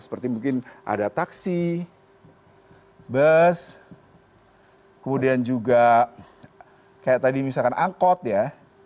seperti mungkin ada taksi bus kemudian juga kayak tadi misalkan angkot ya